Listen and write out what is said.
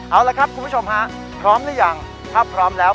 เอาละครับคุณผู้ชมฮะพร้อมหรือยังถ้าพร้อมแล้ว